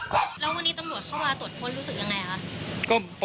แล้ววันนี้ตำรวจเข้ามาตรวจค้นรู้สึกยังไงคะ